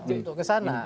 untuk ke sana